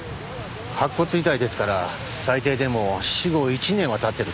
白骨遺体ですから最低でも死後１年はたってると思います。